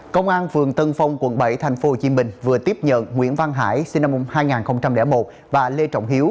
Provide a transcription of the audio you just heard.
công an phường tân phong quận bảy tp hcm vừa tiếp nhận nguyễn văn hải sinh năm hai nghìn một và lê trọng hiếu